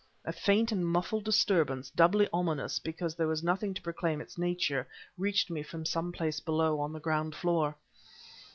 A faint and muffled disturbance, doubly ominous because there was nothing to proclaim its nature, reached me from some place below, on the ground floor.